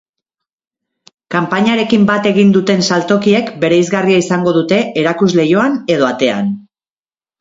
Kanpainarekin bat egin duten saltokiek bereizgarria izango dute erakusleihoan edo atean.